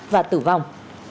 và tử vong